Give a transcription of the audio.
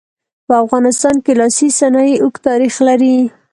په افغانستان کې لاسي صنایع اوږد تاریخ لري.